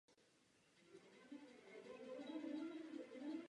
O nějakou dobu později odešel z armády.